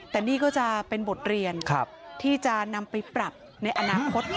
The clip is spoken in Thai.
แต่นี่ก็จะเป็นบทเรียนที่จะนำไปปรับในอนาคต